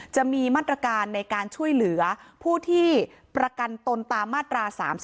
จะมีมาตรการในการช่วยเหลือผู้ที่ประกันตนตามมาตรา๓๒